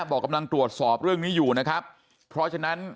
บอกกำลังตรวจสอบเรื่องนี้อยู่นะครับเพราะฉะนั้น